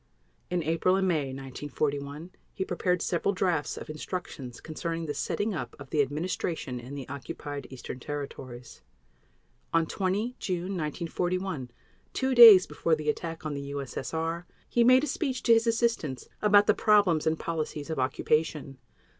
In April and May 1941 he prepared several drafts of instructions concerning the setting up of the administration in the Occupied Eastern Territories. On 20 June 1941, two days before the attack on the U.S.S.R., he made a speech to his assistants about the problems and policies of occupation.